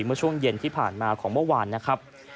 เมื่อช่วงเย็นที่ผ่านมาของเมื่อวานนะครับ